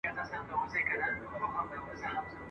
نن بوډا سبا زلمی سم نن خزان سبا بهار یم ..